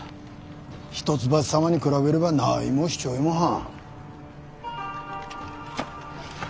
一橋様に比べれば何もしちょりもはん。